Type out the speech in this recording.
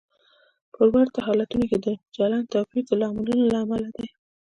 په ورته حالتونو کې د چلند توپیر د لاملونو له امله دی.